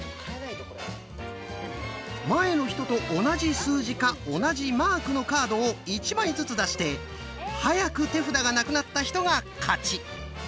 前の人と同じ数字か同じマークのカードを１枚ずつ出して早く手札がなくなった人が勝ち。